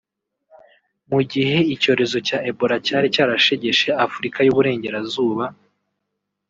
Mu gihe icyorezo cya Ebola cyari cyarashegeshe Afurika y’u Burengerazuba